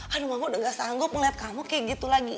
aduh mama udah gak sanggup ngeliat kamu kayak gitu lagi